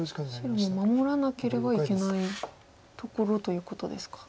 白も守らなければいけないところということですか。